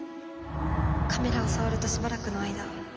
カメラを触るとしばらくの間。